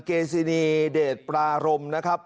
เกซินีเดชปรารมนะครับ